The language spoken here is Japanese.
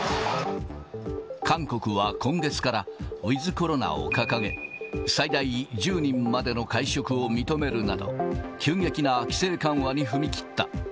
韓国は今月から、ウィズコロナを掲げ、最大１０人までの会食を認めるなど、急激な規制緩和に踏み切った。